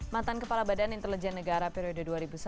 matan kepala badan intelijen negara periode dua ribu satu dua ribu empat